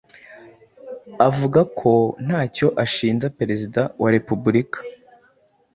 avuga ko ntacyo ashinja perezida wa repubulika